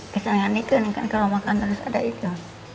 kesengan itu kan kalo makan terus ada itu